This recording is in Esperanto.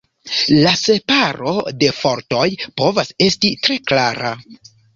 La separo de fortoj povas esti tre klara.